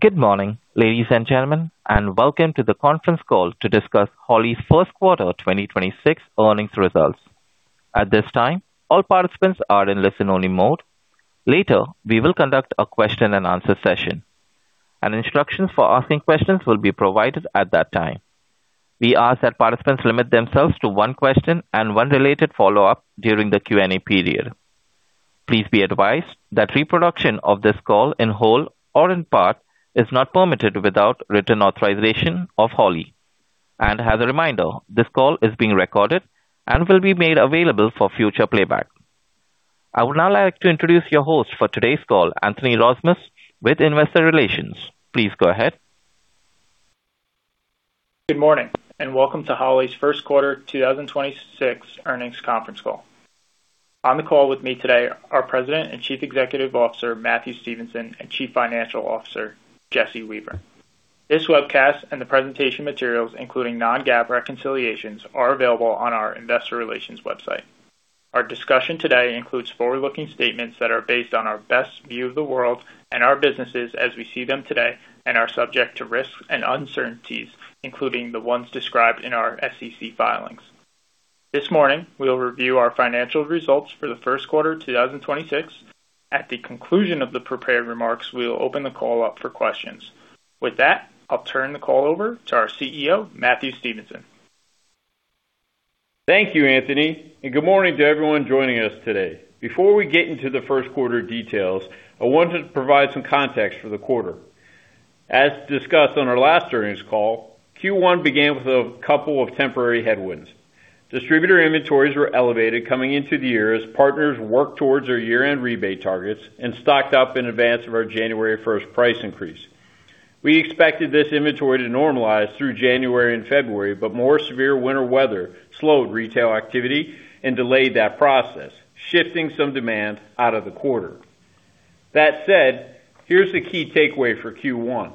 Good morning, ladies and gentlemen. Welcome to the conference call to discuss Holley's first quarter 2026 earnings results. At this time, all participants are in listen-only mode. Later, we will conduct a question and answer session. Instructions for asking questions will be provided at that time. We ask that participants limit themselves to one question and one related follow-up during the Q&A period. Please be advised that reproduction of this call in whole or in part is not permitted without written authorization of Holley. As a reminder, this call is being recorded and will be made available for future playback. I would now like to introduce your host for today's call, Anthony Rozmus with Investor Relations. Please go ahead. Good morning, and welcome to Holley's first quarter 2026 earnings conference call. On the call with me today are President and Chief Executive Officer, Matthew Stevenson, and Chief Financial Officer, Jesse Weaver. This webcast and the presentation materials, including non-GAAP reconciliations, are available on our investor relations website. Our discussion today includes forward-looking statements that are based on our best view of the world and our businesses as we see them today and are subject to risks and uncertainties, including the ones described in our SEC filings. This morning, we'll review our financial results for the first quarter 2026. At the conclusion of the prepared remarks, we will open the call up for questions. With that, I'll turn the call over to our CEO, Matthew Stevenson. Thank you, Anthony, and good morning to everyone joining us today. Before we get into the 1st quarter details, I wanted to provide some context for the quarter. As discussed on our last earnings call, Q1 began with a couple of temporary headwinds. Distributor inventories were elevated coming into the year as partners worked towards their year-end rebate targets and stocked up in advance of our January 1st price increase. We expected this inventory to normalize through January and February, but more severe winter weather slowed retail activity and delayed that process, shifting some demand out of the quarter. That said, here's the key takeaway for Q1.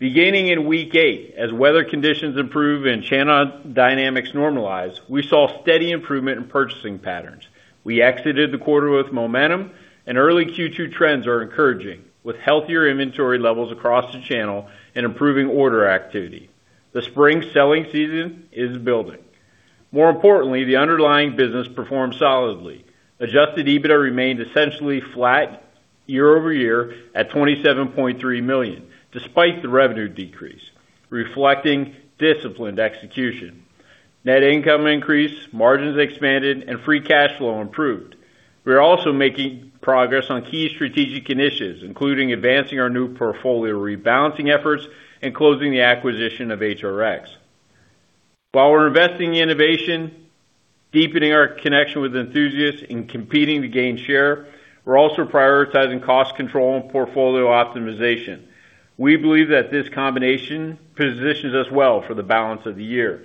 Beginning in week eight, as weather conditions improved and channel dynamics normalized, we saw steady improvement in purchasing patterns. We exited the quarter with momentum and early Q2 trends are encouraging, with healthier inventory levels across the channel and improving order activity. The spring selling season is building. More importantly, the underlying business performed solidly. Adjusted EBITDA remained essentially flat year-over-year at $27.3 million, despite the revenue decrease, reflecting disciplined execution. Net income increased, margins expanded, and free cash flow improved. We are also making progress on key strategic initiatives, including advancing our new portfolio rebalancing efforts and closing the acquisition of HRX. While we're investing in innovation, deepening our connection with enthusiasts, and competing to gain share, we're also prioritizing cost control and portfolio optimization. We believe that this combination positions us well for the balance of the year.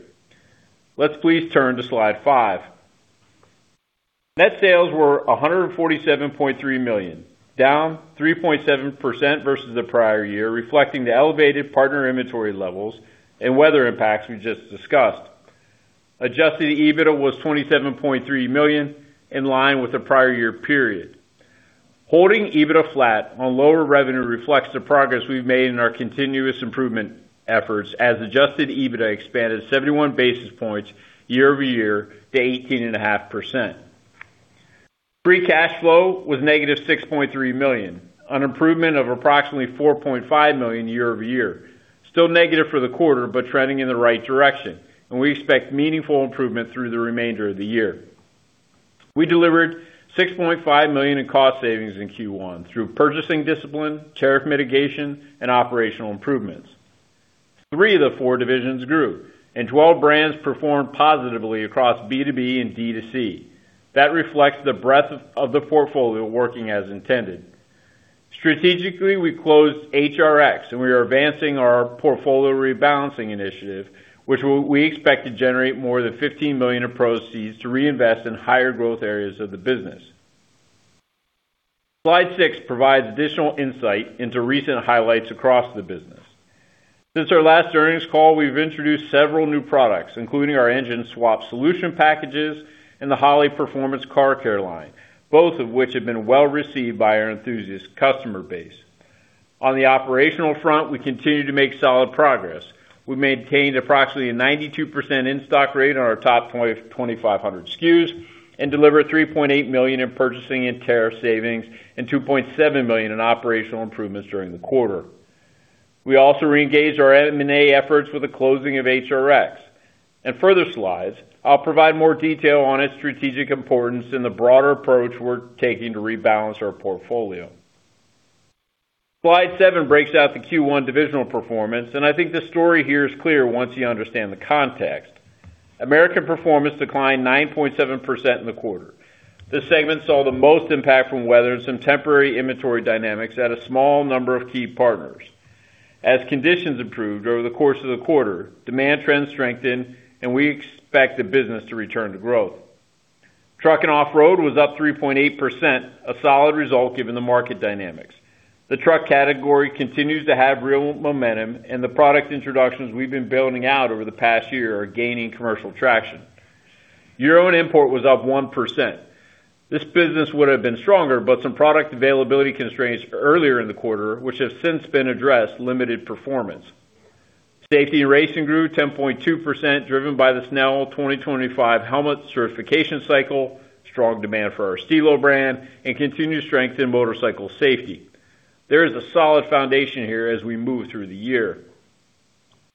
Let's please turn to Slide 5. Net sales were $147.3 million, down 3.7% versus the prior year, reflecting the elevated partner inventory levels and weather impacts we just discussed. Adjusted EBITDA was $27.3 million, in line with the prior year period. Holding EBITDA flat on lower revenue reflects the progress we've made in our continuous improvement efforts as Adjusted EBITDA expanded 71 basis points year-over-year to 18.5%. Free cash flow was -$6.3 million, an improvement of approximately $4.5 million year-over-year. Still negative for the quarter, trending in the right direction, and we expect meaningful improvement through the remainder of the year. We delivered $6.5 million in cost savings in Q1 through purchasing discipline, tariff mitigation, and operational improvements. Three of the four divisions grew, and 12 brands performed positively across B2B and D2C. That reflects the breadth of the portfolio working as intended. Strategically, we closed HRX, and we are advancing our portfolio rebalancing initiative which we expect to generate more than $15 million of proceeds to reinvest in higher growth areas of the business. Slide 6 provides additional insight into recent highlights across the business. Since our last earnings call, we've introduced several new products, including our engine swap solution packages and the Holley High-Performance Car Care line, both of which have been well-received by our enthusiast customer base. On the operational front, we continue to make solid progress. We maintained approximately a 92% in-stock rate on our top 2,500 SKUs and delivered $3.8 million in purchasing and tariff savings and $2.7 million in operational improvements during the quarter. We also re-engaged our M&A efforts with the closing of HRX. In further slides, I'll provide more detail on its strategic importance and the broader approach we're taking to rebalance our portfolio. Slide 7 breaks out the Q1 divisional performance, and I think the story here is clear once you understand the context. American Performance declined 9.7% in the quarter. This segment saw the most impact from weather and some temporary inventory dynamics at a small number of key partners. As conditions improved over the course of the quarter, demand trends strengthened and we expect the business to return to growth. Truck & Off-Road was up 3.8%, a solid result given the market dynamics. The truck category continues to have real momentum and the product introductions we've been building out over the past year are gaining commercial traction. Euro & Import was up 1%. This business would have been stronger, some product availability constraints earlier in the quarter, which have since been addressed, limited performance. Safety & Racing grew 10.2%, driven by the Snell 2025 helmet certification cycle, strong demand for our Stilo brand, and continued strength in motorcycle safety. There is a solid foundation here as we move through the year.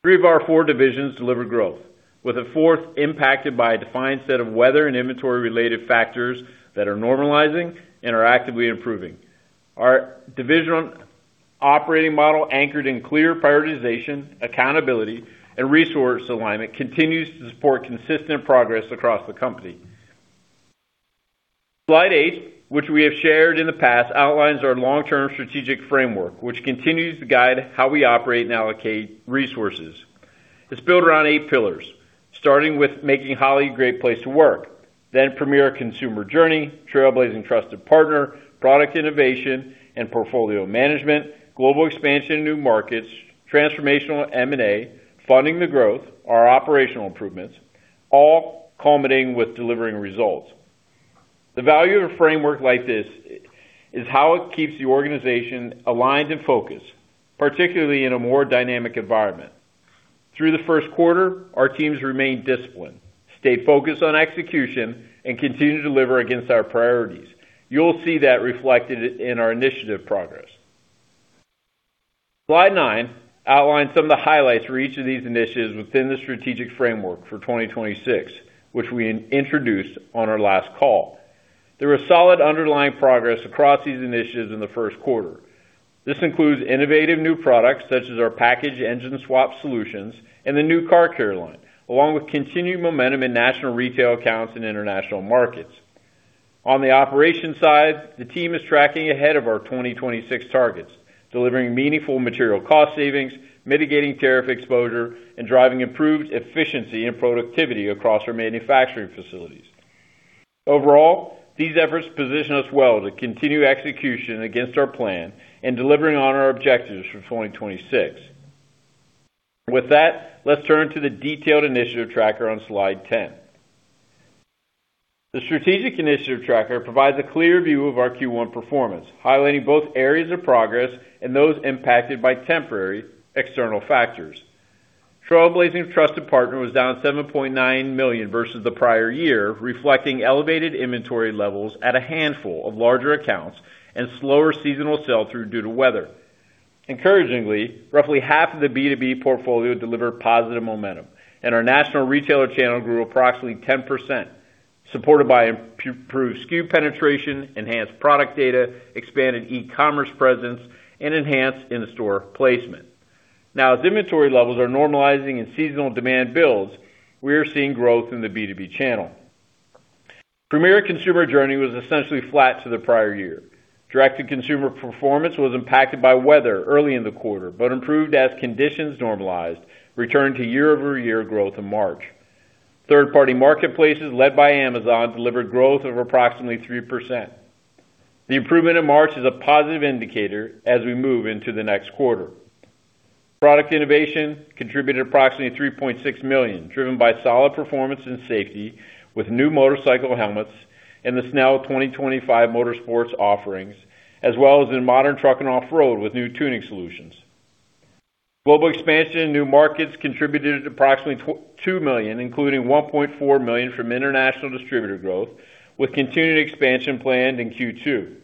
Three of our four divisions delivered growth, with the fourth impacted by a defined set of weather and inventory-related factors that are normalizing and are actively improving. Our divisional operating model anchored in clear prioritization, accountability, and resource alignment continues to support consistent progress across the company. Slide 8, which we have shared in the past, outlines our long-term strategic framework, which continues to guide how we operate and allocate resources. It's built around eight pillars, starting with making Holley a great place to work. Premier consumer journey, trailblazing trusted partner, product innovation and portfolio management, global expansion in new markets, transformational M&A, funding the growth, our operational improvements, all culminating with delivering results. The value of a framework like this is how it keeps the organization aligned and focused, particularly in a more dynamic environment. Through the first quarter, our teams remained disciplined, stayed focused on execution, and continued to deliver against our priorities. You'll see that reflected in our initiative progress. Slide 9 outlines some of the highlights for each of these initiatives within the strategic framework for 2026, which we introduced on our last call. There was solid underlying progress across these initiatives in the first quarter. This includes innovative new products such as our packaged engine swap solutions and the new car care line, along with continued momentum in national retail accounts and international markets. On the operations side, the team is tracking ahead of our 2026 targets, delivering meaningful material cost savings, mitigating tariff exposure, and driving improved efficiency and productivity across our manufacturing facilities. Overall, these efforts position us well to continue execution against our plan and delivering on our objectives for 2026. With that, let's turn to the detailed initiative tracker on Slide 10. The strategic initiative tracker provides a clear view of our Q1 performance, highlighting both areas of progress and those impacted by temporary external factors. Trailblazing trusted partner was down $7.9 million versus the prior year, reflecting elevated inventory levels at a handful of larger accounts and slower seasonal sell-through due to weather. Encouragingly, roughly half of the B2B portfolio delivered positive momentum, and our national retailer channel grew approximately 10%, supported by improved SKU penetration, enhanced product data, expanded e-commerce presence, and enhanced in-store placement. As inventory levels are normalizing and seasonal demand builds, we are seeing growth in the B2B channel. Premier consumer journey was essentially flat to the prior year. Direct-to-consumer performance was impacted by weather early in the quarter, but improved as conditions normalized, returning to year-over-year growth in March. Third-party marketplaces, led by Amazon, delivered growth of approximately 3%. The improvement in March is a positive indicator as we move into the next quarter. Product innovation contributed approximately $3.6 million, driven by solid performance and safety with new motorcycle helmets in the Snell 2025 motorsports offerings, as well as in modern Truck & Off-Road with new tuning solutions. Global expansion in new markets contributed approximately $2 million, including $1.4 million from international distributor growth, with continued expansion planned in Q2,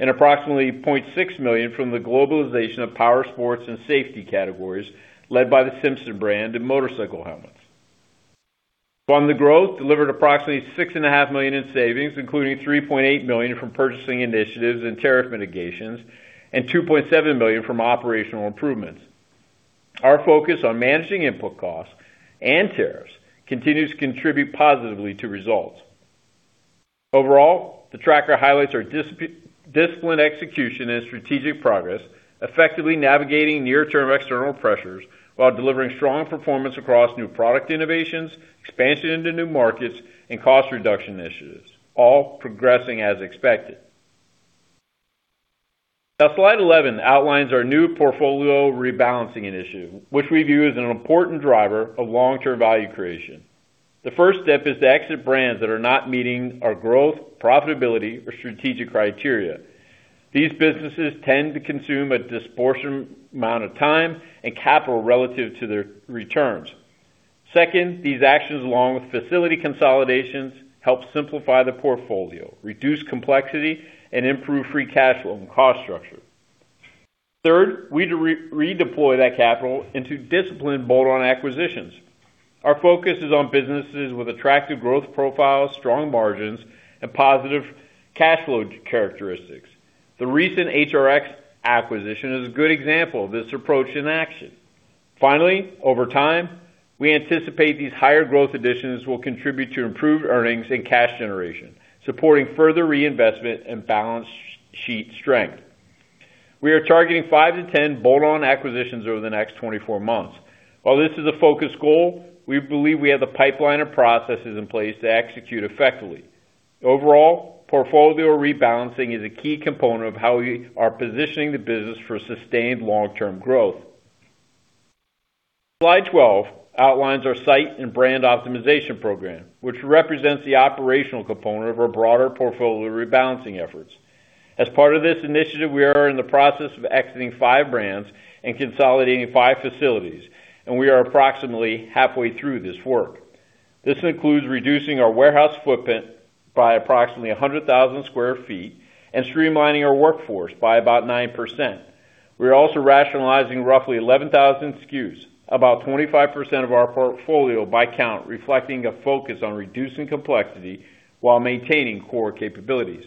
and approximately $0.6 million from the globalization of powersports and safety categories, led by the Simpson brand of motorcycle helmets. Funding the growth delivered approximately $6.5 million in savings, including $3.8 million from purchasing initiatives and tariff mitigations, and $2.7 million from operational improvements. Our focus on managing input costs and tariffs continues to contribute positively to results. Overall, the tracker highlights our discipline execution and strategic progress, effectively navigating near-term external pressures while delivering strong performance across new product innovations, expansion into new markets, and cost reduction initiatives, all progressing as expected. Now, Slide 11 outlines our new portfolio rebalancing initiative, which we view as an important driver of long-term value creation. The first step is to exit brands that are not meeting our growth, profitability, or strategic criteria. These businesses tend to consume a disproportionate amount of time and capital relative to their returns. Second, these actions, along with facility consolidations, help simplify the portfolio, reduce complexity, and improve free cash flow and cost structure. Third, we redeploy that capital into disciplined bolt-on acquisitions. Our focus is on businesses with attractive growth profiles, strong margins, and positive cash flow characteristics. The recent HRX acquisition is a good example of this approach in action. Finally, over time, we anticipate these higher growth additions will contribute to improved earnings and cash generation, supporting further reinvestment and balance sheet strength. We are targeting five to 10 bolt-on acquisitions over the next 24 months. While this is a focus goal, we believe we have the pipeline and processes in place to execute effectively. Overall, portfolio rebalancing is a key component of how we are positioning the business for sustained long-term growth. Slide 12 outlines our site and brand optimization program, which represents the operational component of our broader portfolio rebalancing efforts. As part of this initiative, we are in the process of exiting five brands and consolidating five facilities, and we are approximately halfway through this work. This includes reducing our warehouse footprint by approximately 100,000 sq ft and streamlining our workforce by about 9%. We are also rationalizing roughly 11,000 SKUs, about 25% of our portfolio by count, reflecting a focus on reducing complexity while maintaining core capabilities.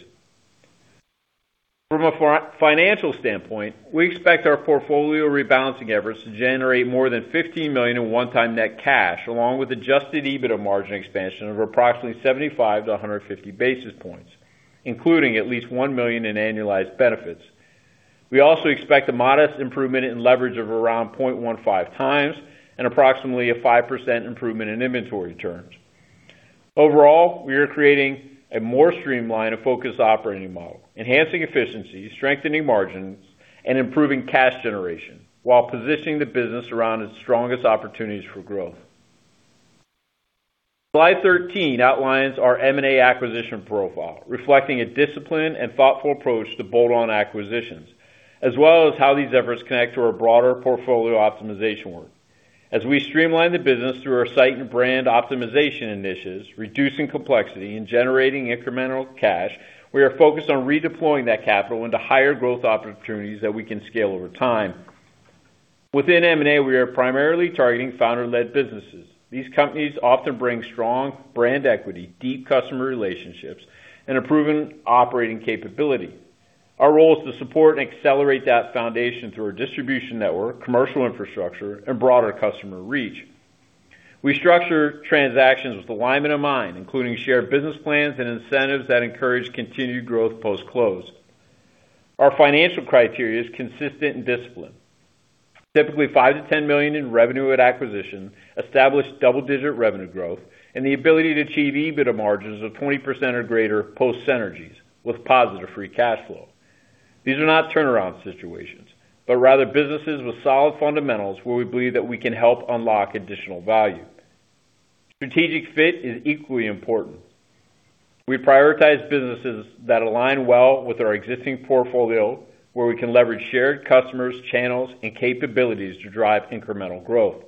From a financial standpoint, we expect our portfolio rebalancing efforts to generate more than $15 million in one-time net cash, along with Adjusted EBITDA margin expansion of approximately 75-150 basis points, including at least $1 million in annualized benefits. We also expect a modest improvement in leverage of around 0.15x and approximately a 5% improvement in inventory terms. Overall, we are creating a more streamlined and focused operating model, enhancing efficiency, strengthening margins, and improving cash generation while positioning the business around its strongest opportunities for growth. Slide 13 outlines our M&A acquisition profile, reflecting a disciplined and thoughtful approach to bolt-on acquisitions, as well as how these efforts connect to our broader portfolio optimization work. As we streamline the business through our site and brand optimization initiatives, reducing complexity and generating incremental cash, we are focused on redeploying that capital into higher growth opportunities that we can scale over time. Within M&A, we are primarily targeting founder-led businesses. These companies often bring strong brand equity, deep customer relationships, and a proven operating capability. Our role is to support and accelerate that foundation through our distribution network, commercial infrastructure, and broader customer reach. We structure transactions with alignment in mind, including shared business plans and incentives that encourage continued growth post-close. Our financial criteria is consistent and disciplined. Typically, $5 million-$10 million in revenue at acquisition, established double-digit revenue growth, and the ability to achieve EBITDA margins of 20% or greater post synergies with positive free cash flow. These are not turnaround situations, but rather businesses with solid fundamentals where we believe that we can help unlock additional value. Strategic fit is equally important. We prioritize businesses that align well with our existing portfolio, where we can leverage shared customers, channels, and capabilities to drive incremental growth.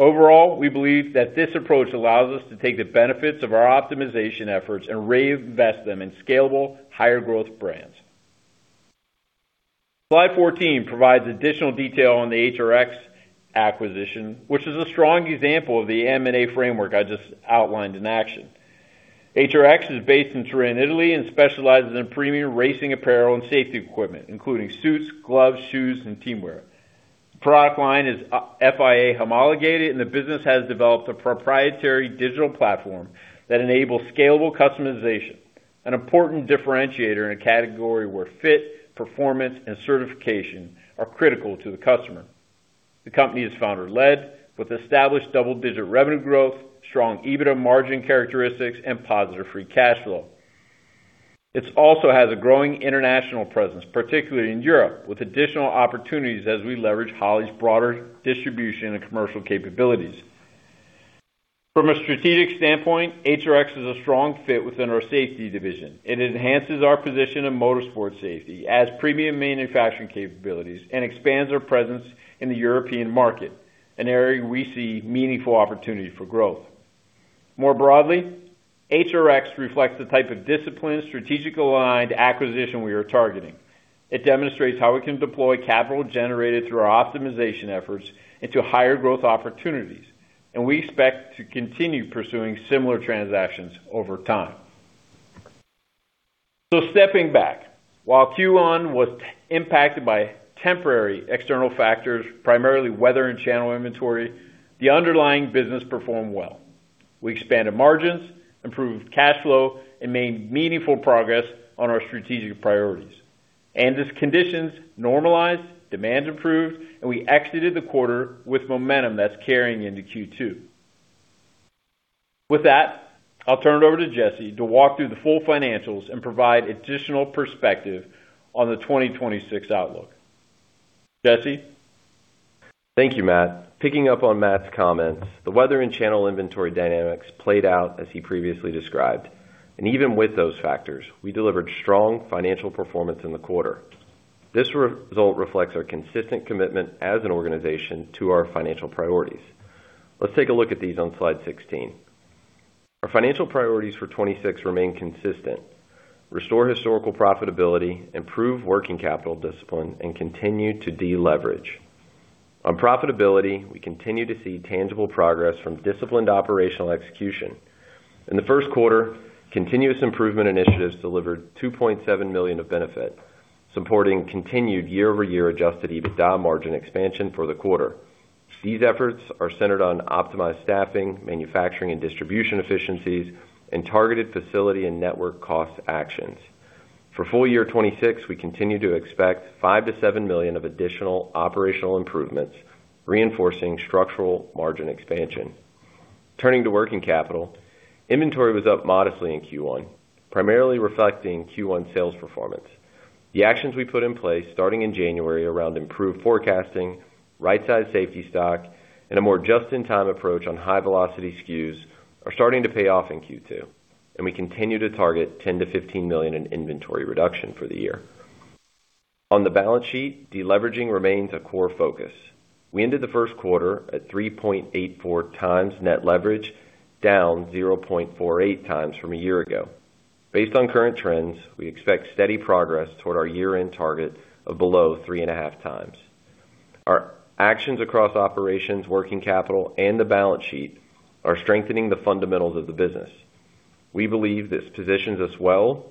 Overall, we believe that this approach allows us to take the benefits of our optimization efforts and reinvest them in scalable, higher growth brands. Slide 14 provides additional detail on the HRX acquisition, which is a strong example of the M&A framework I just outlined in action. HRX is based in Turin, Italy, and specializes in premium racing apparel and safety equipment, including suits, gloves, shoes, and team wear. The product line is FIA homologated, and the business has developed a proprietary digital platform that enables scalable customization, an important differentiator in a category where fit, performance, and certification are critical to the customer. The company is founder-led with established double-digit revenue growth, strong EBITDA margin characteristics, and positive free cash flow. It also has a growing international presence, particularly in Europe, with additional opportunities as we leverage Holley's broader distribution and commercial capabilities. From a strategic standpoint, HRX is a strong fit within our safety division. It enhances our position in motorsport safety, adds premium manufacturing capabilities, and expands our presence in the European market, an area we see meaningful opportunity for growth. More broadly, HRX reflects the type of disciplined, strategically aligned acquisition we are targeting. It demonstrates how we can deploy capital generated through our optimization efforts into higher growth opportunities, and we expect to continue pursuing similar transactions over time. Stepping back, while Q1 was impacted by temporary external factors, primarily weather and channel inventory, the underlying business performed well. We expanded margins, improved cash flow, and made meaningful progress on our strategic priorities. As conditions normalized, demand improved, and we exited the quarter with momentum that's carrying into Q2. With that, I'll turn it over to Jesse to walk through the full financials and provide additional perspective on the 2026 outlook. Jesse? Thank you, Matt. Picking up on Matt's comments, the weather and channel inventory dynamics played out as he previously described. Even with those factors, we delivered strong financial performance in the quarter. This result reflects our consistent commitment as an organization to our financial priorities. Let's take a look at these on Slide 16. Our financial priorities for 2026 remain consistent. Restore historical profitability, improve working capital discipline, and continue to deleverage. On profitability, we continue to see tangible progress from disciplined operational execution. In the first quarter, continuous improvement initiatives delivered $2.7 million of benefit, supporting continued year-over-year adjusted EBITDA margin expansion for the quarter. These efforts are centered on optimized staffing, manufacturing and distribution efficiencies, and targeted facility and network cost actions. For full year 2026, we continue to expect $5 million-$7 million of additional operational improvements, reinforcing structural margin expansion. Turning to working capital. Inventory was up modestly in Q1, primarily reflecting Q1 sales performance. The actions we put in place starting in January around improved forecasting, right-size safety stock, and a more just-in-time approach on high-velocity SKUs are starting to pay off in Q2, and we continue to target $10 million-$15 million in inventory reduction for the year. On the balance sheet, deleveraging remains a core focus. We ended the first quarter at 3.84x net leverage, down 0.48x from a year ago. Based on current trends, we expect steady progress toward our year-end target of below 3.5x. Our actions across operations, working capital, and the balance sheet are strengthening the fundamentals of the business. We believe this positions us well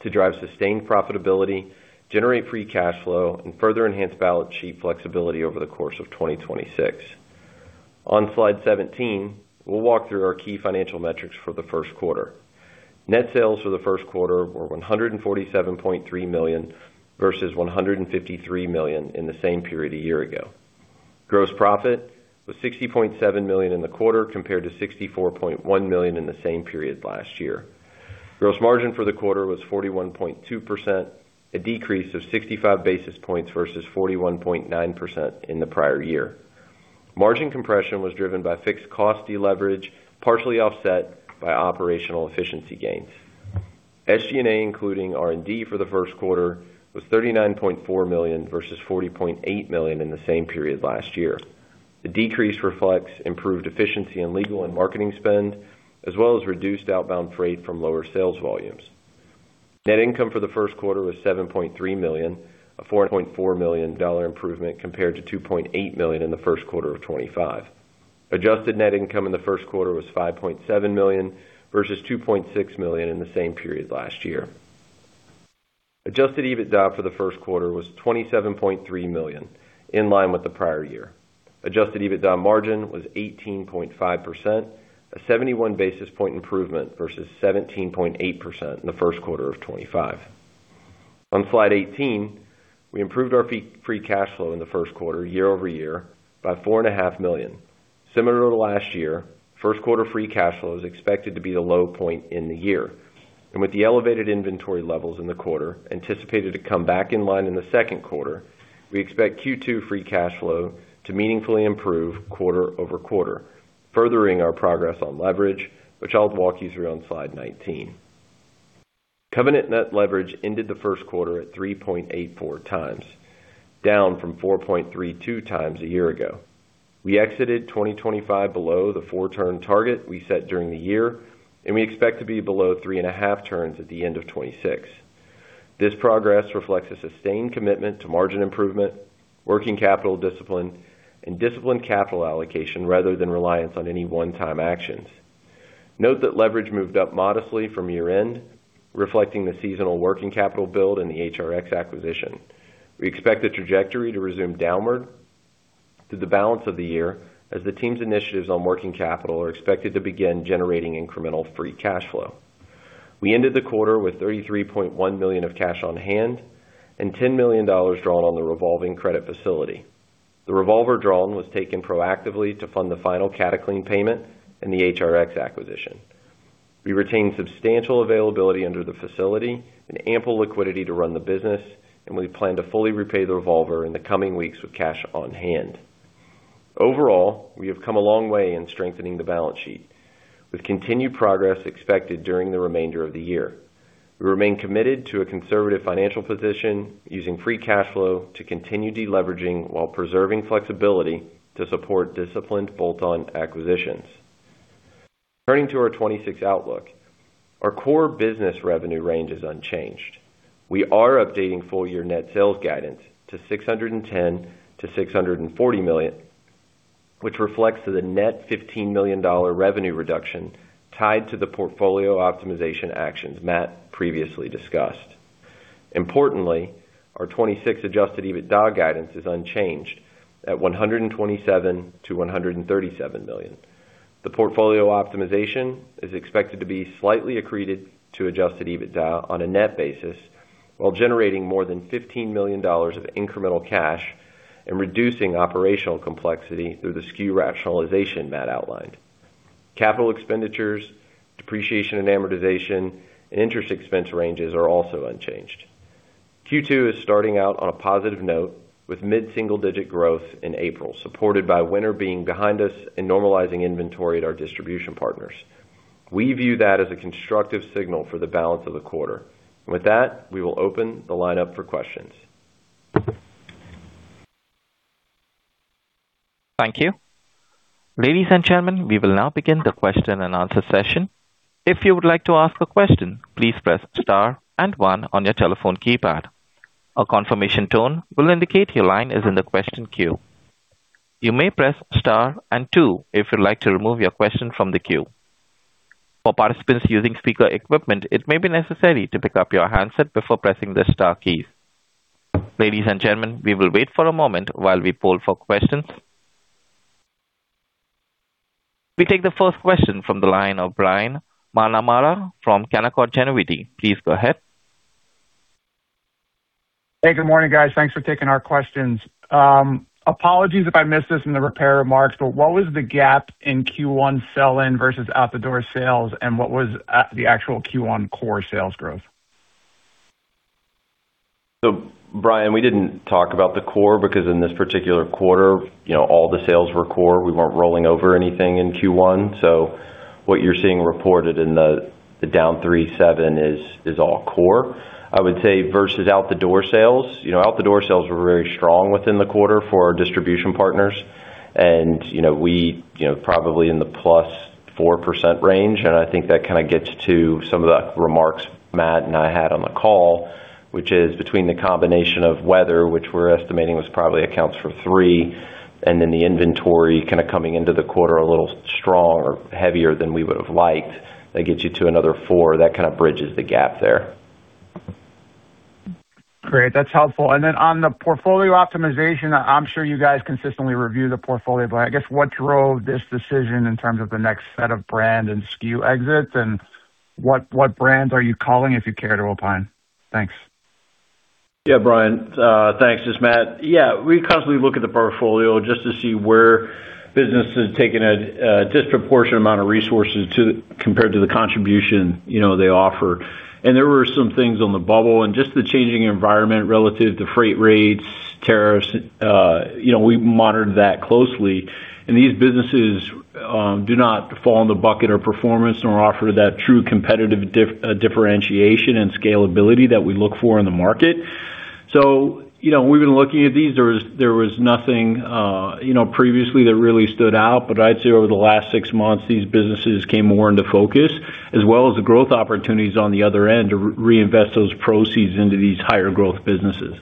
to drive sustained profitability, generate free cash flow, and further enhance balance sheet flexibility over the course of 2026. On Slide 17, we'll walk through our key financial metrics for the first quarter. Net sales for the first quarter were $147.3 million versus $153 million in the same period a year ago. Gross profit was $60.7 million in the quarter compared to $64.1 million in the same period last year. Gross margin for the quarter was 41.2%, a decrease of 65 basis points versus 41.9% in the prior year. Margin compression was driven by fixed cost deleverage, partially offset by operational efficiency gains. SG&A, including R&D for the first quarter, was $39.4 million versus $40.8 million in the same period last year. The decrease reflects improved efficiency in legal and marketing spend, as well as reduced outbound freight from lower sales volumes. Net income for the first quarter was $7.3 million, a $4.4 million improvement compared to $2.8 million in the first quarter of 2025. Adjusted net income in the first quarter was $5.7 million versus $2.6 million in the same period last year. Adjusted EBITDA for the first quarter was $27.3 million, in line with the prior year. Adjusted EBITDA margin was 18.5%, a 71 basis point improvement versus 17.8% in the first quarter of 2025. On slide 18, we improved our free cash flow in the first quarter year-over-year by $4.5 million. Similar to last year, first quarter free cash flow is expected to be the low point in the year. With the elevated inventory levels in the quarter anticipated to come back in line in the second quarter, we expect Q2 free cash flow to meaningfully improve quarter-over-quarter, furthering our progress on leverage, which I'll walk you through on Slide 19. Covenant net leverage ended the first quarter at 3.84x, down from 4.32x a year ago. We exited 2025 below the four-turn target we set during the year. We expect to be below three and a half turns at the end of 2026. This progress reflects a sustained commitment to margin improvement, working capital discipline, and disciplined capital allocation rather than reliance on any one-time actions. Note that leverage moved up modestly from year-end, reflecting the seasonal working capital build and the HRX acquisition. We expect the trajectory to resume downward through the balance of the year as the team's initiatives on working capital are expected to begin generating incremental free cash flow. We ended the quarter with $33.1 million of cash on hand and $10 million drawn on the revolving credit facility. The revolver drawn was taken proactively to fund the final Cataclean payment and the HRX acquisition. We retained substantial availability under the facility and ample liquidity to run the business, and we plan to fully repay the revolver in the coming weeks with cash on hand. Overall, we have come a long way in strengthening the balance sheet with continued progress expected during the remainder of the year. We remain committed to a conservative financial position using free cash flow to continue deleveraging while preserving flexibility to support disciplined bolt-on acquisitions. Turning to our 2026 outlook. Our core business revenue range is unchanged. We are updating full year net sales guidance to $610 million-$640 million, which reflects the net $15 million revenue reduction tied to the portfolio optimization actions Matt previously discussed. Importantly, our 2026 Adjusted EBITDA guidance is unchanged at $127 million-$137 million. The portfolio optimization is expected to be slightly accreted to Adjusted EBITDA on a net basis, while generating more than $15 million of incremental cash and reducing operational complexity through the SKU rationalization Matt outlined. Capital expenditures, depreciation and amortization, and interest expense ranges are also unchanged. Q2 is starting out on a positive note with mid-single-digit growth in April, supported by winter being behind us and normalizing inventory at our distribution partners. We view that as a constructive signal for the balance of the quarter. With that, we will open the lineup for questions. Thank you. Ladies and gentlemen, we will now begin the question and answer session. If you would like to ask a question, please press star and one on your telephone keypad. A confirmation tone will indicate your line is in the question queue. You may press star and two if you'd like to remove your question from the queue. For participants using speaker equipment, it may be necessary to pick up your handset before pressing the star keys. Ladies and gentlemen, we will wait for a moment while we poll for questions. We take the first question from the line of Brian McNamara from Canaccord Genuity. Please go ahead. Hey, good morning, guys. Thanks for taking our questions. Apologies if I missed this in the prepared remarks, but what was the gap in Q1 sell-in versus out the door sales, and what was the actual Q1 core sales growth? Brian, we didn't talk about the core because in this particular quarter, you know, all the sales were core. We weren't rolling over anything in Q1. What you're seeing reported in the down 3.7% is all core. I would say versus out the door sales, you know, out the door sales were very strong within the quarter for our distribution partners. You know, we, you know, probably in the plus 4% range. I think that kind of gets to some of the remarks Matt and I had on the call, which is between the combination of weather, which we're estimating was probably accounts for 3%, and then the inventory kind of coming into the quarter a little strong or heavier than we would have liked. That gets you to another 4%. That kind of bridges the gap there. Great. That's helpful. On the portfolio optimization, I'm sure you guys consistently review the portfolio, but I guess what drove this decision in terms of the next set of brand and SKU exits, and what brands are you calling if you care to opine? Thanks. Yeah, Brian, thanks. This is Matt. We constantly look at the portfolio just to see where business is taking a disproportionate amount of resources compared to the contribution, you know, they offer. There were some things on the bubble and just the changing environment relative to freight rates, tariffs, you know, we monitored that closely. These businesses do not fall in the bucket or performance or offer that true competitive differentiation and scalability that we look for in the market. You know, we've been looking at these. There was nothing, you know, previously that really stood out. I'd say over the last six months, these businesses came more into focus, as well as the growth opportunities on the other end to reinvest those proceeds into these higher growth businesses.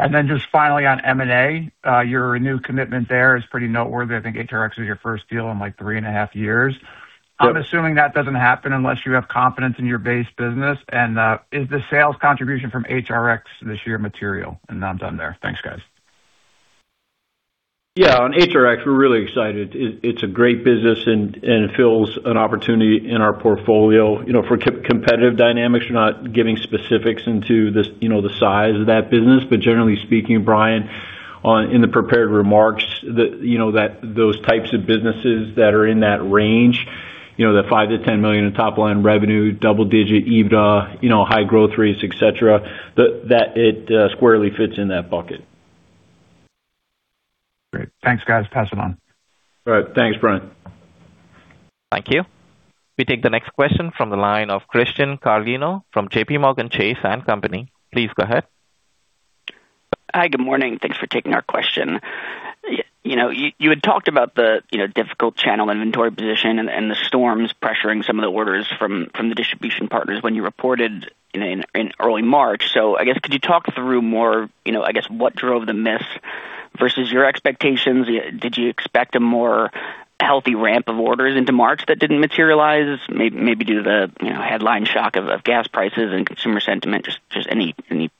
Just finally on M&A, your new commitment there is pretty noteworthy. I think HRX was your first deal in, like, three and a half years. I'm assuming that doesn't happen unless you have confidence in your base business. Is the sales contribution from HRX this year material? I'm done there. Thanks, guys. Yeah. On HRX, we're really excited. It's a great business and it fills an opportunity in our portfolio. You know, for competitive dynamics, we're not giving specifics into this, you know, the size of that business. Generally speaking, Brian, in the prepared remarks that, you know, that those types of businesses that are in that range, you know, the $5 million-$10 million in top line revenue, double-digit EBITDA, you know, high growth rates, et cetera, that it squarely fits in that bucket. Great. Thanks, guys. Pass it on. All right. Thanks, Brian. Thank you. We take the next question from the line of Christian Carlino from JPMorgan Chase & Co. Please go ahead. Hi. Good morning. Thanks for taking our question. You know, you had talked about the, you know, difficult channel inventory position and the storms pressuring some of the orders from the distribution partners when you reported in early March. I guess, could you talk through more, you know, I guess what drove the miss versus your expectations? Did you expect a more healthy ramp of orders into March that didn't materialize maybe due to the, you know, headline shock of gas prices and consumer sentiment? Just any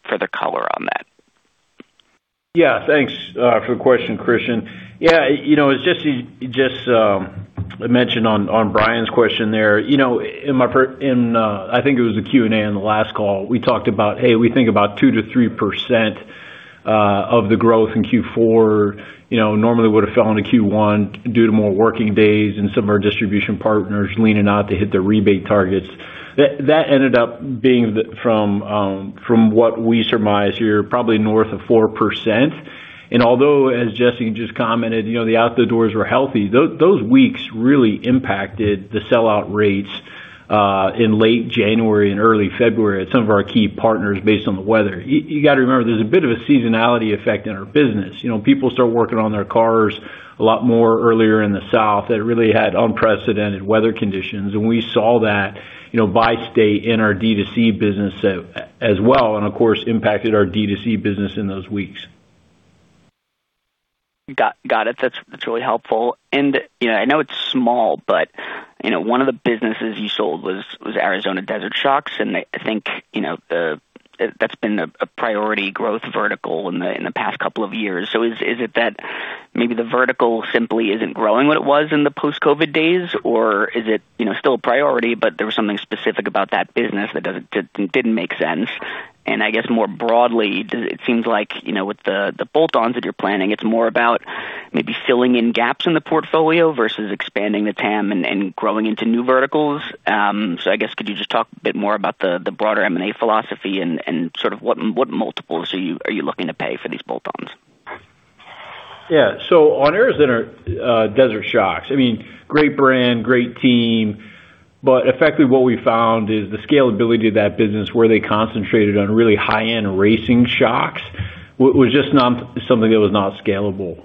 further color on that. Thanks for the question, Christian. As Jesse just mentioned on Brian's question there, I think it was the Q&A on the last call, we think about 2%-3% of the growth in Q4 normally would have fell into Q1 due to more working days and some of our distribution partners leaning out to hit their rebate targets. That ended up being from what we surmise here, probably north of 4%. Although, as Jesse just commented, the out the doors were healthy, those weeks really impacted the sellout rates in late January and early February at some of our key partners based on the weather. You got to remember, there's a bit of a seasonality effect in our business. You know, people start working on their cars a lot more earlier in the South. It really had unprecedented weather conditions, and we saw that, you know, by state in our D2C business, as well, and of course impacted our D2C business in those weeks. Got it. That's really helpful. You know, I know it's small, but, you know, one of the businesses you sold was Arizona Desert Shocks, and I think, you know, that's been a priority growth vertical in the past couple of years. Is it that maybe the vertical simply isn't growing what it was in the post-COVID days, or is it, you know, still a priority, but there was something specific about that business that didn't make sense? I guess more broadly, it seems like, you know, with the bolt-ons that you're planning, it's more about maybe filling in gaps in the portfolio versus expanding the TAM and growing into new verticals. I guess, could you just talk a bit more about the broader M&A philosophy and sort of what multiples are you, are you looking to pay for these bolt-ons? Yeah. On Arizona Desert Shocks, I mean, great brand, great team, but effectively what we found is the scalability of that business, where they concentrated on really high-end racing shocks was just not something that was not scalable.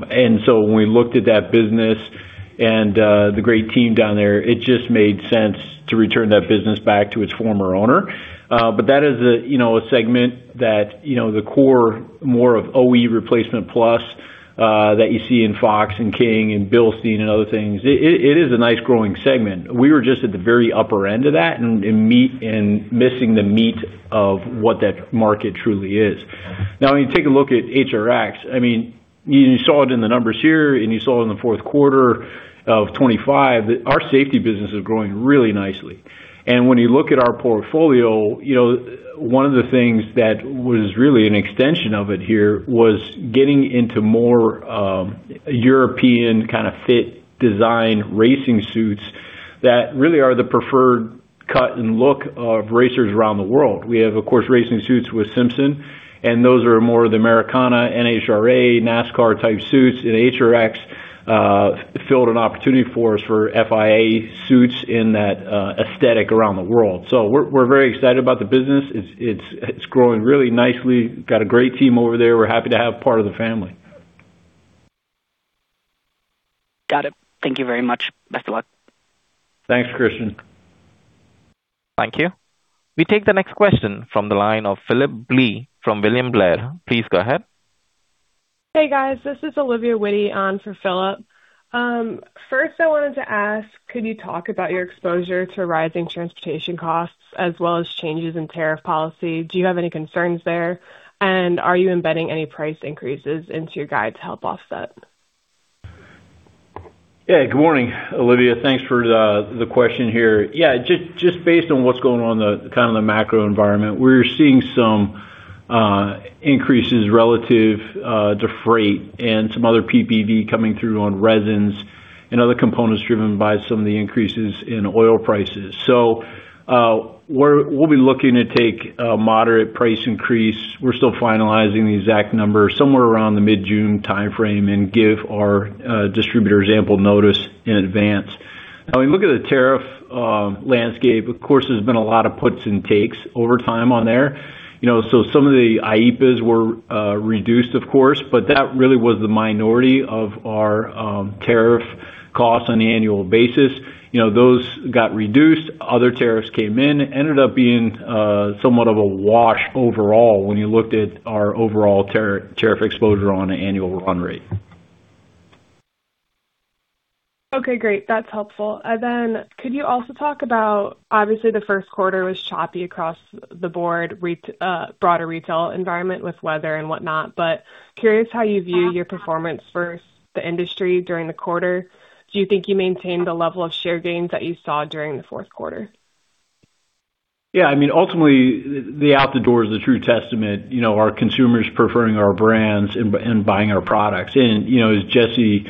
When we looked at that business and the great team down there, it just made sense to return that business back to its former owner. That is a, you know, a segment that, you know, the core more of OE replacement plus, that you see in Fox and King and Bilstein and other things. It, it is a nice growing segment. We were just at the very upper end of that and missing the meat of what that market truly is. When you take a look at HRX, I mean, you saw it in the numbers here and you saw it in the fourth quarter of 2025, our safety business is growing really nicely. When you look at our portfolio, you know, one of the things that was really an extension of it here was getting into more European kind of fit design racing suits that really are the preferred cut and look of racers around the world. We have, of course, racing suits with Simpson, and those are more of the Americana, NHRA, NASCAR type suits. HRX filled an opportunity for us for FIA suits in that aesthetic around the world. We're very excited about the business. It's growing really nicely. Got a great team over there. We're happy to have part of the family. Got it. Thank you very much. Best of luck. Thanks, Christian. Thank you. We take the next question from the line of Phillip Blee from William Blair. Please go ahead. Hey, guys, this is Olivia Whitty on for Phillip. First I wanted to ask, could you talk about your exposure to rising transportation costs as well as changes in tariff policy? Do you have any concerns there? Are you embedding any price increases into your guide to help offset? Good morning, Olivia. Thanks for the question here. Just based on what's going on the kind of the macro environment, we're seeing some increases relative to freight and some other PPV coming through on resins and other components driven by some of the increases in oil prices. We'll be looking to take a moderate price increase. We're still finalizing the exact number, somewhere around the mid-June timeframe, and give our distributors ample notice in advance. We look at the tariff landscape. Of course, there's been a lot of puts and takes over time on there. You know, some of the EPA's were reduced, of course, but that really was the minority of our tariff costs on the annual basis. You know, those got reduced. Other tariffs came in, ended up being somewhat of a wash overall when you looked at our overall tariff exposure on an annual run rate. Okay, great. That's helpful. Could you also talk about, obviously, the first quarter was choppy across the board broader retail environment with weather and whatnot. Curious how you view your performance versus the industry during the quarter. Do you think you maintained the level of share gains that you saw during the fourth quarter? Yeah, I mean, ultimately, the out the door is the true testament. You know, our consumers preferring our brands and buying our products. You know, as Jesse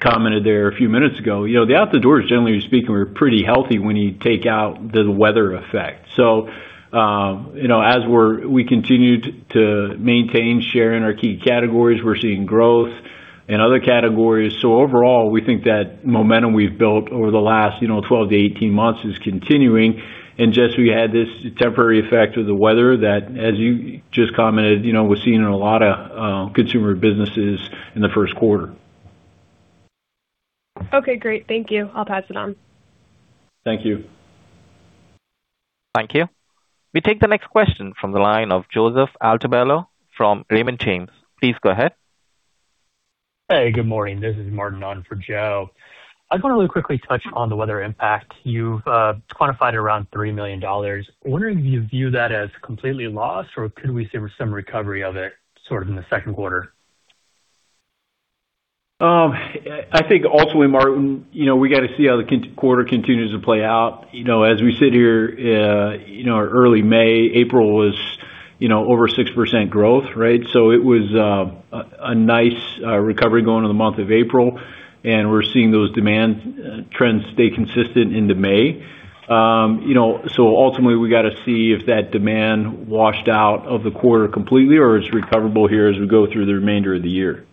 commented there a few minutes ago, you know, the out the doors, generally speaking, were pretty healthy when you take out the weather effect. You know, as we continue to maintain share in our key categories, we're seeing growth in other categories. Overall, we think that momentum we've built over the last, you know, 12 to 18 months is continuing. Jesse, we had this temporary effect of the weather that, as you just commented, you know, was seen in a lot of consumer businesses in the first quarter. Okay, great. Thank you. I'll pass it on. Thank you. Thank you. We take the next question from the line of Joseph Altobello from Raymond James. Please go ahead. Hey, good morning. This is Martin on for Joe. I just wanna really quickly touch on the weather impact. You've quantified around $3 million. I'm wondering if you view that as completely lost, or could we see some recovery of it sort of in the second quarter? I think ultimately, Martin, you know, we gotta see how the quarter continues to play out. You know, as we sit here, you know, early May, April was, you know, over 6% growth, right? It was a nice recovery going to the month of April, and we're seeing those demand trends stay consistent into May. You know, ultimately, we gotta see if that demand washed out of the quarter completely or is recoverable here as we go through the remainder of the year.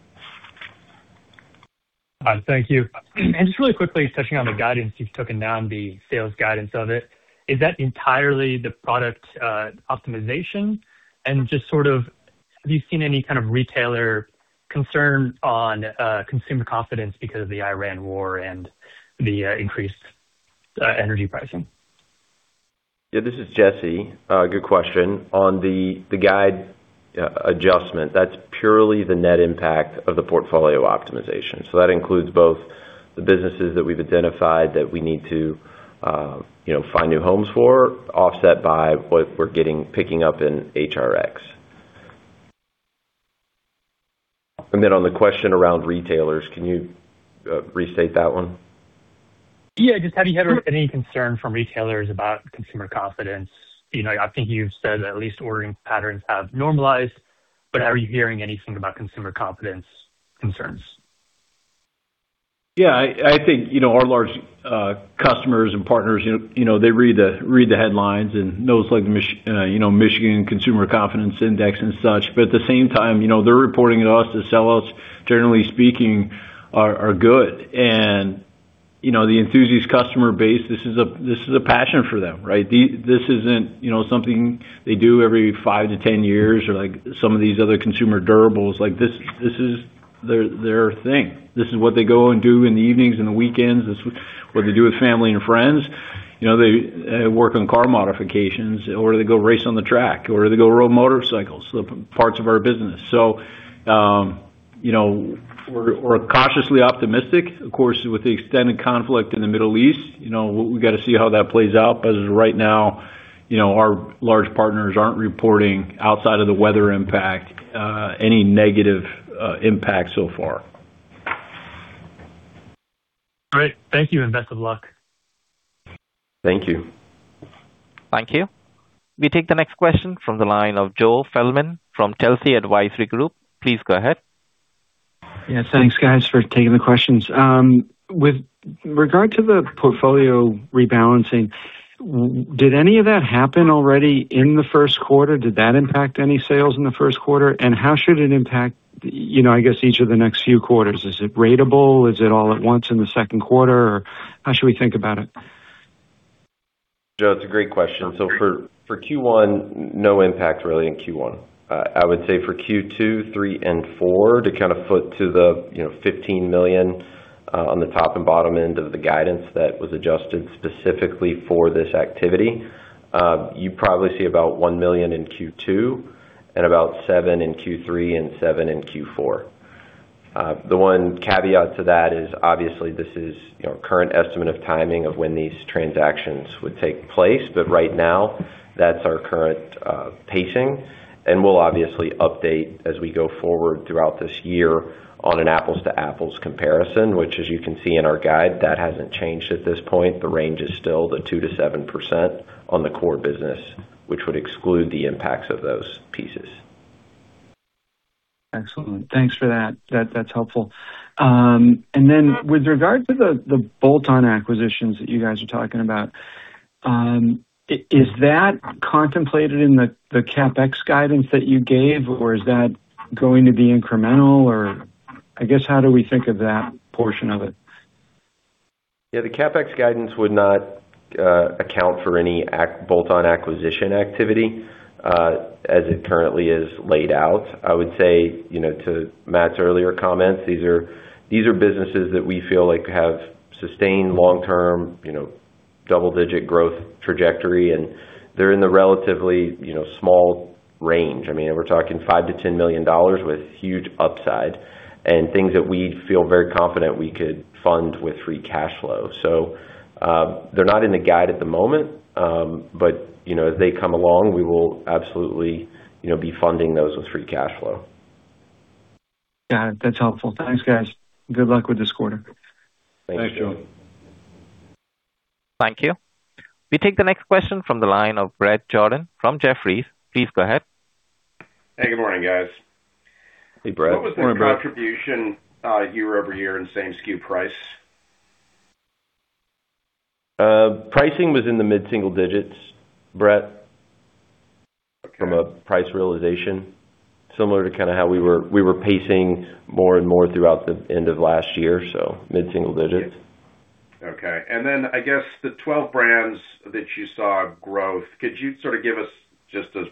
All right. Thank you. Just really quickly touching on the guidance you've taken down, the sales guidance of it, is that entirely the product optimization? Just sort of, have you seen any kind of retailer concern on consumer confidence because of the Iran war and the increased energy pricing? Yeah, this is Jesse. Good question. On the guide, adjustment, that's purely the net impact of the portfolio optimization. That includes both the businesses that we've identified that we need to, you know, find new homes for, offset by what we're picking up in HRX. On the question around retailers, can you restate that one? Yeah, just have you heard any concern from retailers about consumer confidence? You know, I think you've said at least ordering patterns have normalized, but are you hearing anything about consumer confidence concerns? Yeah, I think, you know, our large customers and partners, you know, they read the headlines and knows, like, you know, Michigan Consumer Confidence Index and such. At the same time, you know, they're reporting to us the sell-outs, generally speaking, are good. You know, the enthusiast customer base, this is a passion for them, right? This isn't, you know, something they do every five to 10 years or like some of these other consumer durables. This is their thing. This is what they go and do in the evenings and the weekends. This is what they do with family and friends. You know, they work on car modifications or they go race on the track or they go ride motorcycles. Parts of our business. You know, we're cautiously optimistic. Of course, with the extended conflict in the Middle East, you know, we gotta see how that plays out. As of right now, you know, our large partners aren't reporting outside of the weather impact, any negative impact so far. Great. Thank you, and best of luck. Thank you. Thank you. We take the next question from the line of Joe Feldman from Telsey Advisory Group. Please go ahead. Yeah, thanks guys for taking the questions. With regard to the portfolio rebalancing, did any of that happen already in the first quarter? Did that impact any sales in the first quarter? How should it impact, you know, I guess, each of the next few quarters? Is it ratable? Is it all at once in the second quarter? How should we think about it? Joe, it's a great question. For Q1, no impact really in Q1. I would say for Q2, Q3, and Q4, to kind of foot to the, you know, $15 million on the top and bottom end of the guidance that was adjusted specifically for this activity, you probably see about $1 million in Q2 and about $7 million in Q3 and $7 million in Q4. The one caveat to that is obviously this is, you know, current estimate of timing of when these transactions would take place. Right now, that's our current pacing, and we'll obviously update as we go forward throughout this year on an apples-to-apples comparison, which as you can see in our guide, that hasn't changed at this point. The range is still the 2%-7% on the core business, which would exclude the impacts of those pieces. Excellent. Thanks for that. That's helpful. Then with regard to the bolt-on acquisitions that you guys are talking about, is that contemplated in the CapEx guidance that you gave, or is that going to be incremental? Or I guess, how do we think of that portion of it? Yeah, the CapEx guidance would not account for any bolt-on acquisition activity as it currently is laid out. I would say, you know, to Matt's earlier comments, these are businesses that we feel like have sustained long-term, you know, double-digit growth trajectory, and they're in the relatively, you know, small range. I mean, we're talking $5 million-$10 million with huge upside and things that we feel very confident we could fund with free cash flow. They're not in the guide at the moment, but, you know, as they come along, we will absolutely, you know, be funding those with free cash flow. Got it. That's helpful. Thanks, guys. Good luck with this quarter. Thanks, Joe. Thank you. We take the next question from the line of Bret Jordan from Jefferies. Please go ahead. Hey, good morning, guys. Hey, Bret. Good morning, Bret. What was the contribution, year-over-year in same SKU price? Pricing was in the mid-single digits from a price realization, similar to kind of how we were pacing more and more throughout the end of last year, mid-single digits. Okay. Then I guess the 12 brands that you saw growth, could you sort of give us just as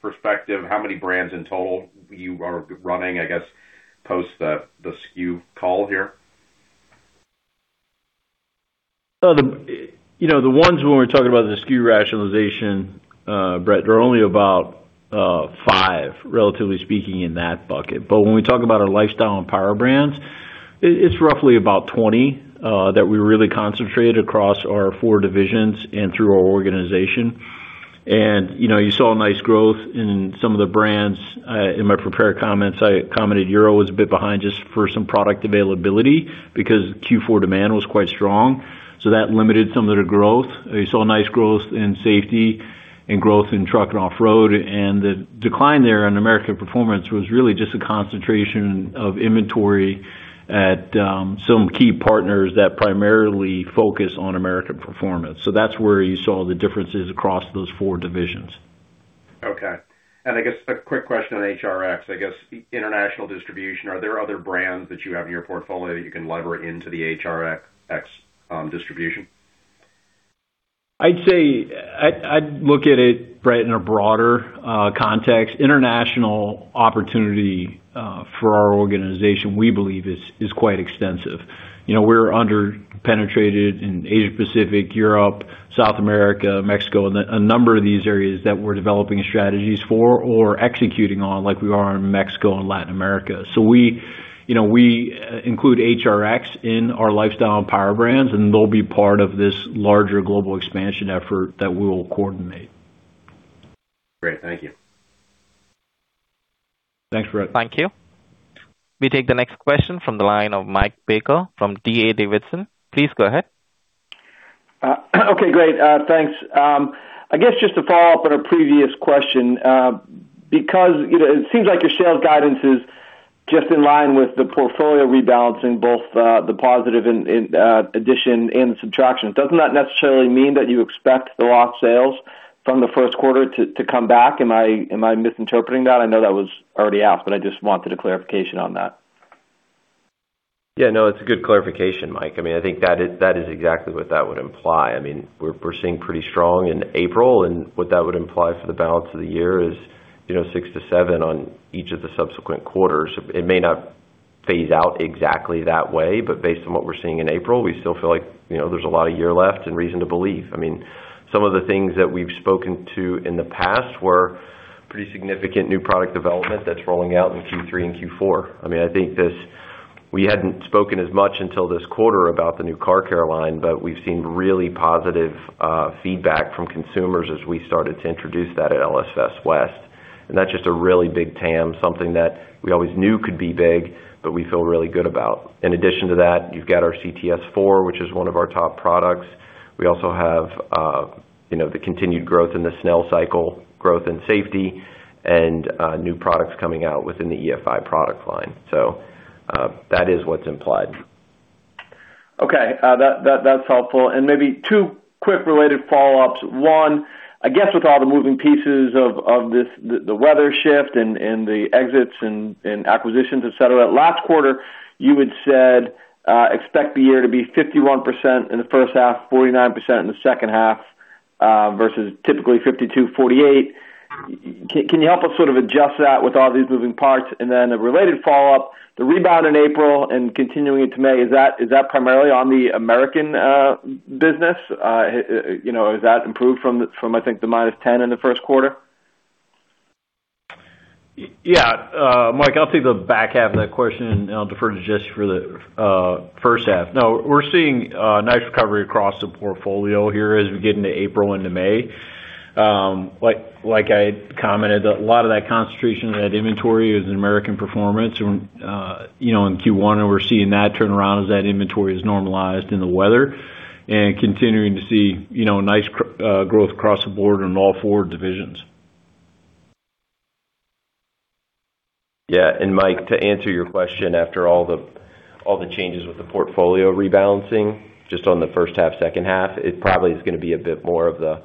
perspective how many brands in total you are running, I guess, post the SKU cull here? The ones when we're talking about the SKU rationalization, Bret, there are only about five, relatively speaking, in that bucket. When we talk about our lifestyle and power brands, it's roughly about 20 that we really concentrate across our four divisions and through our organization. You saw nice growth in some of the brands. In my prepared comments, I commented Euro was a bit behind just for some product availability because Q4 demand was quite strong, so that limited some of their growth. You saw nice growth in Safety and growth in Truck & Off-Road, and the decline there on American Performance was really just a concentration of inventory at some key partners that primarily focus on American Performance. That's where you saw the differences across those four divisions. Okay. I guess a quick question on HRX. I guess international distribution, are there other brands that you have in your portfolio that you can lever into the HRX distribution? I'd say I'd look at it, Bret, in a broader context. International opportunity for our organization, we believe is quite extensive. You know, we're under-penetrated in Asia Pacific, Europe, South America, Mexico, a number of these areas that we're developing strategies for or executing on like we are in Mexico and Latin America. We, you know, we include HRX in our lifestyle and power brands, and they'll be part of this larger global expansion effort that we will coordinate. Great. Thank you. Thanks, Bret. Thank you. We take the next question from the line of Mike Baker from D.A. Davidson. Please go ahead. Okay, great. Thanks. I guess just to follow up on a previous question, because, you know, it seems like your sales guidance is just in line with the portfolio rebalancing, both the positive and addition and the subtraction. Doesn't that necessarily mean that you expect the lost sales from the first quarter to come back? Am I misinterpreting that? I know that was already asked, but I just wanted a clarification on that. Yeah, no, it's a good clarification, Mike. I mean, I think that is exactly what that would imply. I mean, we're seeing pretty strong in April, what that would imply for the balance of the year is, you know, six to seven on each of the subsequent quarters. It may not phase out exactly that way, based on what we're seeing in April, we still feel like, you know, there's a lot of year left and reason to believe. I mean, some of the things that we've spoken to in the past were pretty significant new product development that's rolling out in Q3 and Q4. I mean, I think we hadn't spoken as much until this quarter about the new Car Care line, we've seen really positive feedback from consumers as we started to introduce that at LS Fest West. That's just a really big TAM, something that we always knew could be big, but we feel really good about. In addition to that, you've got our CTS4, which is one of our top products. We also have, you know, the continued growth in the Snell cycle, growth in safety and new products coming out within the EFI product line. That is what's implied. Okay. That's helpful. Maybe two quick related follow-ups. One, I guess with all the moving pieces of this the weather shift and the exits and acquisitions, et cetera, last quarter you had said, expect the year to be 51% in the first half, 49% in the second half, versus typically 52%, 48%. Can you help us sort of adjust that with all these moving parts? Then a related follow-up, the rebound in April and continuing into May, is that primarily on the American business? You know, has that improved from I think the -10% in the first quarter? Yeah. Mike, I'll take the back half of that question and I'll defer to Jess for the first half. No, we're seeing a nice recovery across the portfolio here as we get into April into May. like I commented, a lot of that concentration of that inventory is in American Performance, you know, in Q1, and we're seeing that turn around as that inventory is normalized in the weather and continuing to see, you know, nice growth across the board in all four divisions. Yeah. Mike, to answer your question, after all the changes with the portfolio rebalancing, just on the first half, second half, it probably is going to be a bit more of the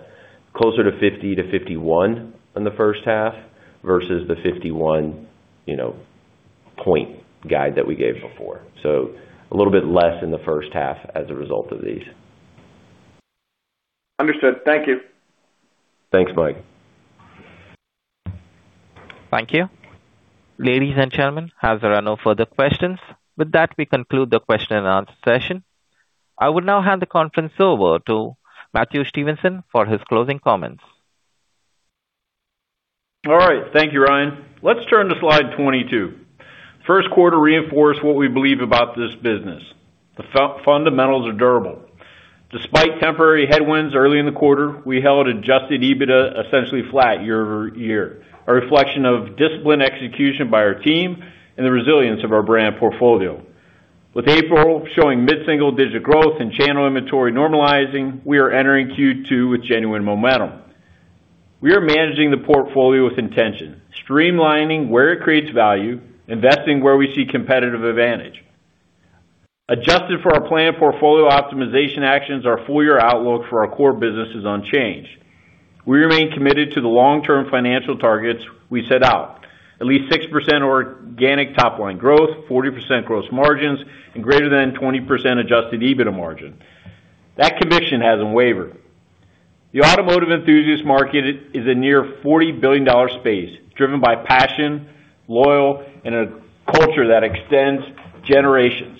closer to 50% to 51% in the first half versus the 51%, you know, point guide that we gave before. A little bit less in the first half as a result of these. Understood. Thank you. Thanks, Mike. Thank you. Ladies and gentlemen, as there are no further questions, with that, we conclude the question and answer session. I will now hand the conference over to Matthew Stevenson for his closing comments. All right. Thank you, Ryan. Let's turn to Slide 22. First quarter reinforced what we believe about this business. The fundamentals are durable. Despite temporary headwinds early in the quarter, we held adjusted EBITDA essentially flat year-over-year, a reflection of disciplined execution by our team and the resilience of our brand portfolio. With April showing mid-single digit growth and channel inventory normalizing, we are entering Q2 with genuine momentum. We are managing the portfolio with intention, streamlining where it creates value, investing where we see competitive advantage. Adjusted for our planned portfolio optimization actions, our full year outlook for our core business is unchanged. We remain committed to the long-term financial targets we set out, at least 6% organic top line growth, 40% gross margins, and greater than 20% Adjusted EBITDA margin. That conviction hasn't wavered. The automotive enthusiast market is a near $40 billion space driven by passion, loyal, and a culture that extends generations.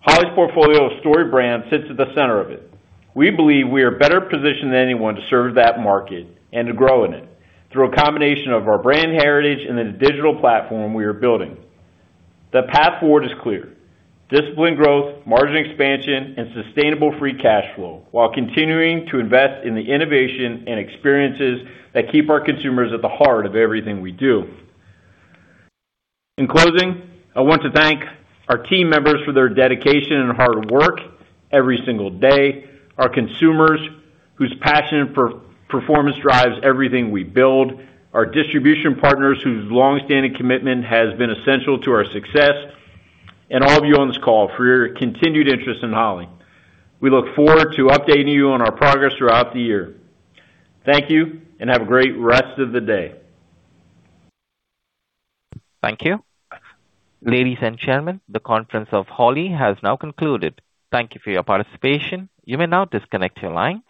Holley's portfolio of story brands sits at the center of it. We believe we are better positioned than anyone to serve that market and to grow in it through a combination of our brand heritage and the digital platform we are building. The path forward is clear. Disciplined growth, margin expansion, and sustainable free cash flow while continuing to invest in the innovation and experiences that keep our consumers at the heart of everything we do. In closing, I want to thank our team members for their dedication and hard work every single day, our consumers whose passion for performance drives everything we build, our distribution partners whose longstanding commitment has been essential to our success, and all of you on this call for your continued interest in Holley. We look forward to updating you on our progress throughout the year. Thank you, and have a great rest of the day. Thank you. Ladies and gentlemen, the conference of Holley has now concluded. Thank you for your participation. You may now disconnect your lines.